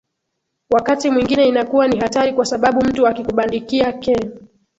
wakati mwingine inakuwa ni hatari kwa sababu mtu akikubandikia ke